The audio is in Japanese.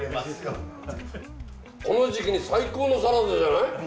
この時期に最高のサラダじゃない。